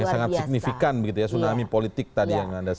yang sangat signifikan tsunami politik tadi yang anda sebutkan